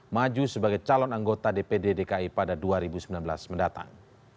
maju sebagai calon anggota dpd dki pada dua ribu sembilan belas mendatang